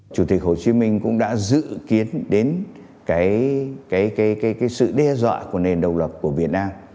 chủ tịch hồ chí minh cũng đã dự kiến đến sự đe dọa của nền độc lập của việt nam